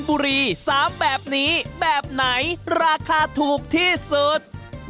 บุรี๓แบบนี้แบบไหนราคาถูกที่สุด